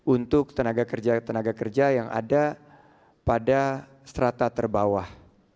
untuk tenaga kerja tenaga kerja yang ada pada strata terbawah